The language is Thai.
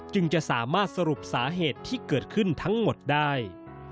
จะสามารถสรุปสาเหตุที่เกิดขึ้นทั้งหมดได้